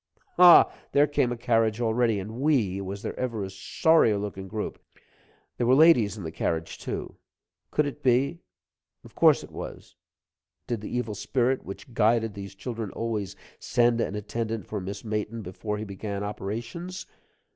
Ha! There came a carriage already, and we was there ever a sorrier looking group? There were ladies in the carriage, too could it be of course it was did the evil spirit, which guided those children always, send an attendant for Miss Mayton before he began operations?